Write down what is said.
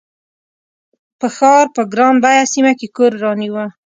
په ښار په ګران بیه سیمه کې کور رانیوه.